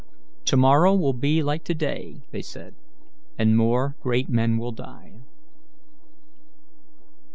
"To morrow will be like to day," they said, "and more great men will die."